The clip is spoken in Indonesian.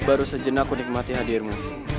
baru sejenak ku nikmati hadirmu